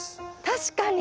確かに！